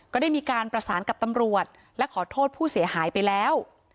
ก็ได้มีการประสานกับตำรวจและขอโทษผู้เสียหายไปแล้ว